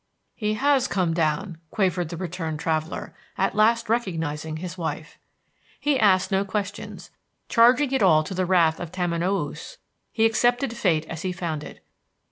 "He has come down," quavered the returned traveller, at last recognizing his wife. He asked no questions. Charging it all to the wrath of Tamanoüs, he accepted fate as he found it.